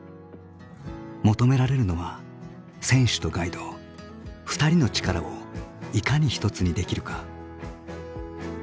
求められるのは選手とガイド２人の力をいかに一つにできるか。